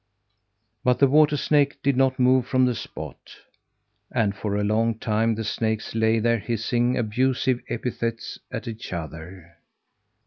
But the water snake did not move from the spot, and for a long time the snakes lay there hissing abusive epithets at each other.